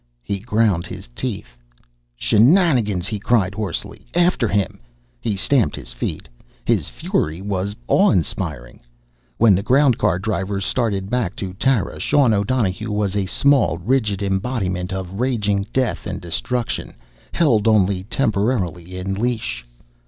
He ground his teeth. "Shenanigans!" he cried hoarsely. "After him!" He stamped his feet. His fury was awe inspiring. When the ground car drivers started back to Tara, Sean O'Donohue was a small, rigid embodiment of raging death and destruction held only temporarily in leash.